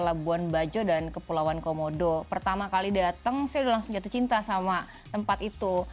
labuan bajo dan kepulauan komodo pertama kali datang saya udah langsung jatuh cinta sama tempat itu